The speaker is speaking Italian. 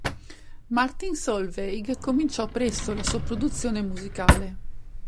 Martin Solveig cominciò presto la sua produzione musicale.